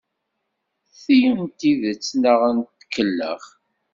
Ti n tidet neɣ n tkellax?